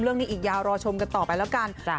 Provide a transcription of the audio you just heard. เรื่องนี้อีกยาวรอชมกันต่อไปแล้วกัน